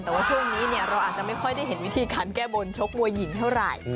แต่ว่าช่วงนี้เราอาจจะไม่ค่อยได้เห็นวิธีการแก้บนชกมวยหญิงเท่าไหร่